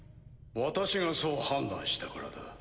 私がそう判断したからだ。